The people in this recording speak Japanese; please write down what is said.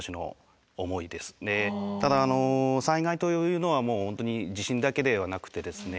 ただ災害というのはもう本当に地震だけではなくてですね